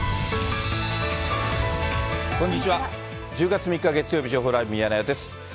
１０月３日月曜日、情報ライブミヤネ屋です。